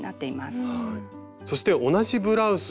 そして同じブラウス。